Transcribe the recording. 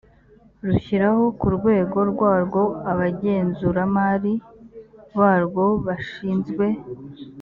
rushyiraho ku rwego rwarwo abagenzuramali barwo bashinzwe